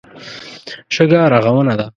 شګه رغونه ده.